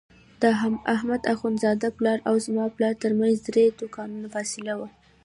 د احمد اخوندزاده پلار او زما پلار ترمنځ درې دوکانه فاصله وه.